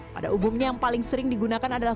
pada umumnya yang paling sering digunakan adalah